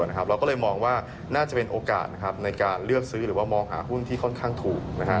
เราก็เลยมองว่าน่าจะเป็นโอกาสในการเลือกซื้อหรือว่ามองหาหุ้นที่ค่อนข้างถูก